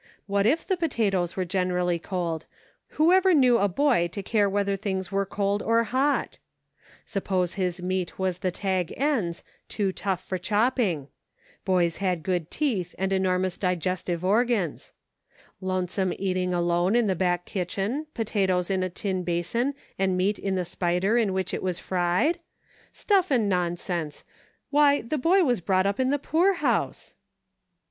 What if the potatoes were generally cold ; whoever knew a boy to care whether things were cold or hot } Suppose his meat was the tag ends, too tough for chopping. Boys had good teeth and enormous digestive or gans. Lonesome eating alone in the back kitchen, potatoes in a tin basin and meat in the spider in which it was fried .' Stuff and nonsense ! Why, the boy was brought up in the poorhouse